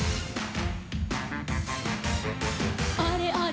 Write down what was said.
「あれあれ？